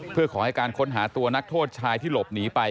เพื่อขอให้การค้นหาตัวนักโทษชายที่หลบหนีไป